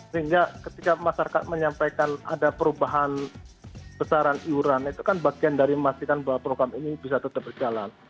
sehingga ketika masyarakat menyampaikan ada perubahan besaran iuran itu kan bagian dari memastikan bahwa program ini bisa tetap berjalan